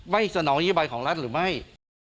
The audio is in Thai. สนองนโยบายของรัฐหรือไม่